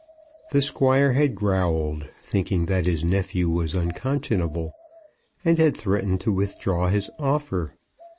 The Squire had growled, thinking that his nephew was unconscionable, and had threatened to withdraw his offer.